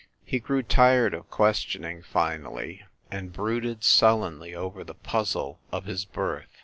He grew tired of ques tioning, finally, and brooded sullenly over the puzzle of his birth.